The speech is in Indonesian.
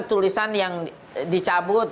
tulisan yang dicabut